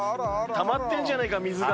たまってんじゃねーか、水が。